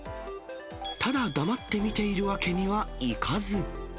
ただ黙って見ているわけにはいかず。